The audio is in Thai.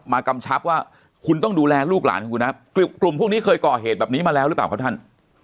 กำชับว่าคุณต้องดูแลลูกหลานของคุณนะกลุ่มพวกนี้เคยก่อเหตุแบบนี้มาแล้วหรือเปล่าครับท่าน